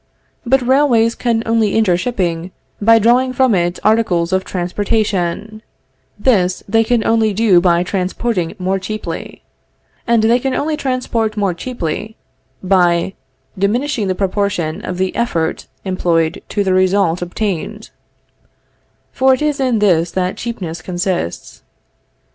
But railways can only injure shipping by drawing from it articles of transportation; this they can only do by transporting more cheaply; and they can only transport more cheaply, by diminishing the proportion of the effort employed to the result obtained; for it is in this that cheapness consists.